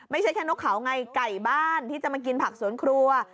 ไม่ใช่แค่นกเขาไงไก่บ้านที่จะมากินผักสวนครัว